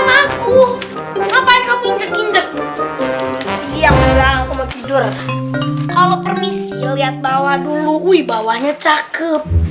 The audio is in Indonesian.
ngapain kamu injek injek siang udah mau tidur kalau permisi lihat bawah dulu wih bawahnya cakep